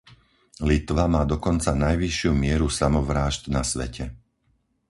Litva má dokonca najvyššiu mieru samovrážd na svete.